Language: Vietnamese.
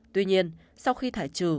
tuy nhiên sau khi thải trừ